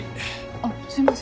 あっすいません。